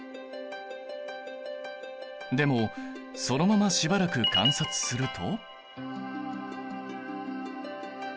でもそのまましばらく観察すると。